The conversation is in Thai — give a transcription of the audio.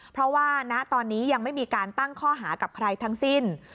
เพราะว่าณตอนนี้ยังไม่มีการตั้งข้อหากับใครทั้งสิ้น